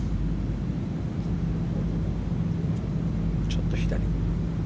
ちょっと左。